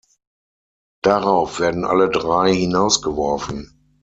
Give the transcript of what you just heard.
Darauf werden alle drei hinausgeworfen.